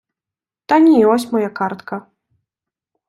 Та ні, ось моя картка.